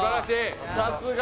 さすが！